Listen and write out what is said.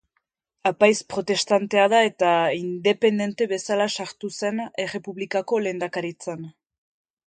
Apaiz protestantea da eta independente bezala sartu zen errepublikako lehendakaritzan.